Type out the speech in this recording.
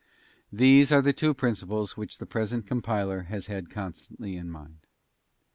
These are the two principles which the present compiler has had constantly in mind.